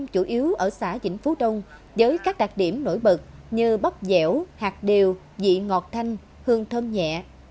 chiếu ở xã chỉnh phú đông với các đặc điểm nổi bật như bắp dẻo hạt đều vị ngọt thanh hương thơm nhẹ